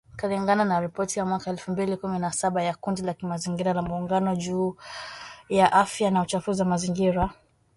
Kulingana na ripoti ya mwaka elfu mbili kumi na saba ya kundi la kimazingira la Muungano juu ya Afya na Uchafuzi wa mazingira